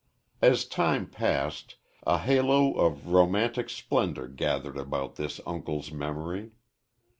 As time passed, a halo of romantic splendor gathered about this uncle's memory.